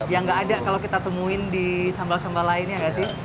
yang nggak ada kalau kita temuin di sambal sambal lainnya gak sih